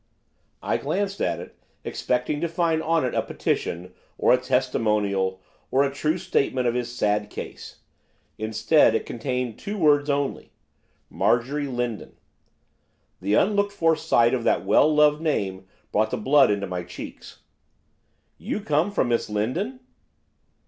I glanced at it, expecting to find on it a petition, or a testimonial, or a true statement of his sad case; instead it contained two words only, 'Marjorie Lindon.' The unlooked for sight of that well loved name brought the blood into my cheeks. 'You come from Miss Lindon?